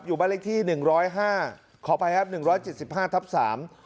อยู่บ้านเลขที่หนึ่งร้อยห้าขออภัยครับหนึ่งร้อยเจ็ดสิบห้าทับสาม